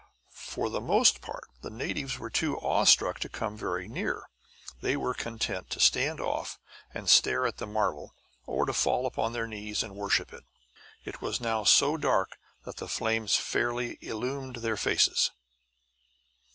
For the most part the natives were too awestruck to come very near; they were content to stand off and stare at the marvel, or fall upon their knees and worship it. It was now so dark that the flames fairly illumined their faces.